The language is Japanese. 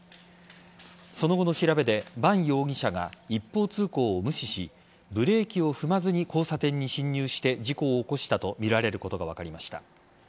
その後の調べで伴容疑者が一方通行を無視しブレーキを踏まずに交差点に進入して事故を起こしたとみられることが分かりました。